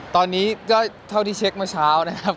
ตอนนี้ก็เท่าที่เช็คเมื่อเช้านะครับ